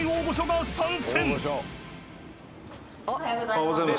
おはようございます。